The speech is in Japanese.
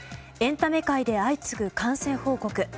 エンタメ界で相次ぐ感染報告。